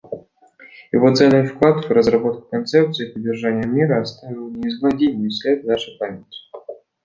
Его ценный вклад в разработку концепции поддержания мира оставил неизгладимый след в нашей памяти.